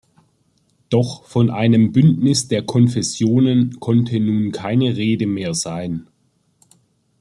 Doch von einem Bündnis der Konfessionen konnte nun keine Rede mehr sein.